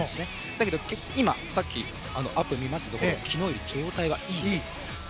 だけどさっきアップを見ましたら昨日より状態がいいんです。